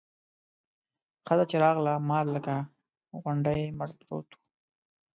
ښځه چې راغله مار لکه غونډی مړ پروت و.